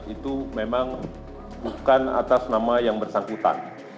itu memang bukan atas nama yang bersangkutan